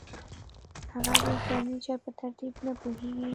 هغه د فرنیچر په ترتیب نه پوهیږي